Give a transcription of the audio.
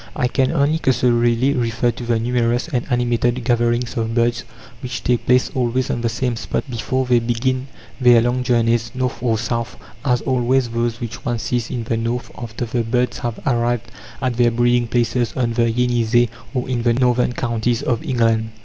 I can only cursorily refer to the numerous and animated gatherings of birds which take place, always on the same spot, before they begin their long journeys north or south, as also those which one sees in the north, after the birds have arrived at their breeding places on the Yenisei or in the northern counties of England.